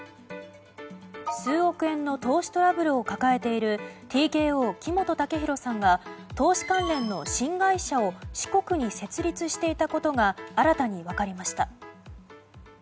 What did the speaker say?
数億円の投資トラブルを抱えているＴＫＯ木本武宏さんが投資関連の新会社を四国に設立していたことが新たに分かりました。